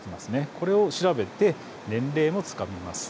これを調べて年齢もつかみます。